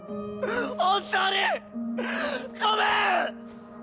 本当にごめん！